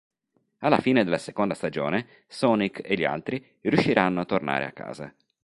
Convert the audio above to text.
Alla fine della seconda stagione Sonic e gli altri riusciranno a tornare a casa.